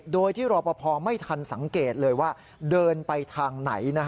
โดยที่รอปภไม่ทันสังเกตเลยว่าเดินไปทางไหน